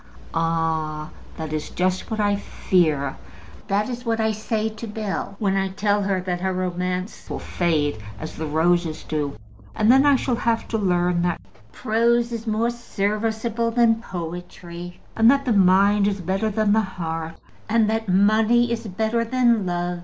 "Ah; that is just what I fear. That is what I say to Bell when I tell her that her romance will fade as the roses do. And then I shall have to learn that prose is more serviceable than poetry, and that the mind is better than the heart, and and that money is better than love.